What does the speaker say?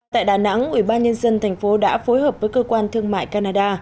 tại đà nẵng ủy ban nhân dân thành phố đã phối hợp với cơ quan thương mại canada